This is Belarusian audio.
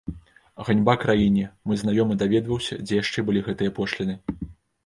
Ганьба краіне, мой знаёмы даведваўся, дзе яшчэ былі гэтыя пошліны.